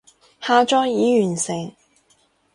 下載已完成